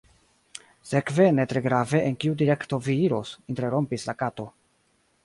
"Sekve, ne tre grave en kiu direkto vi iros," interrompis la Kato.